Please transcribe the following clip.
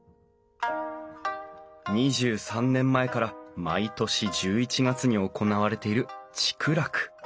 ２３年前から毎年１１月に行われている竹楽。